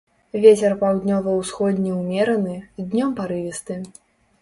Вецер паўднёва-ўсходні ўмераны, днём парывісты.